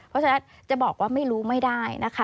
เพราะฉะนั้นจะบอกว่าไม่รู้ไม่ได้นะคะ